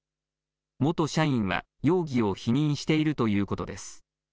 元社員は容疑を否認しているということです。